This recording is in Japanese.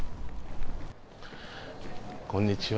こんにちは。